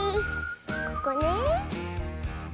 ここねえ。